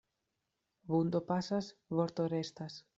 Vundo pasas, vorto restas.